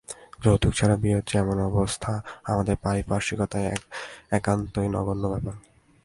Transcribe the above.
যৌতুক ছাড়া বিয়ে হচ্ছে এমন অবস্থা আমাদের পারিপার্শ্বিকতায় একান্তই নগণ্য ব্যাপার।